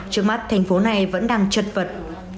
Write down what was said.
trước mắt thành phố này vẫn đang chật vật